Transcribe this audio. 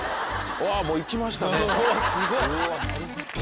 うわもう行きましたね。